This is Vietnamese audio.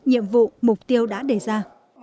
nhiệm vụ mục tiêu đã đề ra